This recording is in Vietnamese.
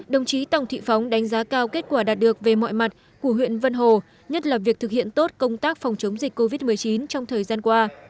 đồng chí tòng thị phóng đánh giá cao kết quả đạt được về mọi mặt của huyện vân hồ nhất là việc thực hiện tốt công tác phòng chống dịch covid một mươi chín trong thời gian qua